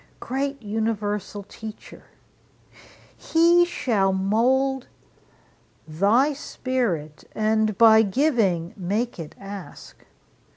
Great universal Teacher! he shall mould Thy spirit, and by giving make it ask.